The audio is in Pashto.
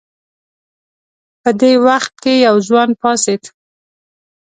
په دې وخت کې یو ځوان پاڅېد.